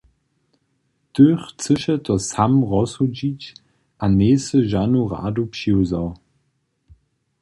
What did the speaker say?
Ty chcyše to sam rozsudźić a njejsy žanu radu přiwzał.